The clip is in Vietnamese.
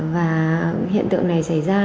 và hiện tượng này xảy ra